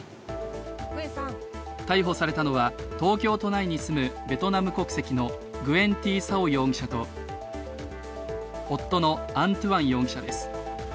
逮捕されたのは、東京都内に住むベトナム国籍のグエン・ティ・サオ容疑者と夫のアン・トゥアン容疑者です。